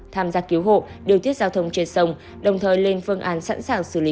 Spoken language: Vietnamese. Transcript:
tham gia cứu hộ điều tiết giao thông trên sông đồng thời lên phương án sẵn sàng xử lý